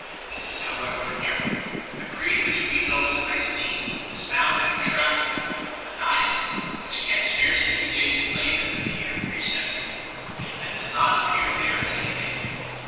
This is however an error. The Creed which we know as " Nicene" is found in a tract of Epiphanius 2 which can scarcely be dated later than the year 374, and does not appear there as anything new.